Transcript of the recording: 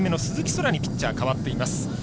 天にピッチャー、変わっています。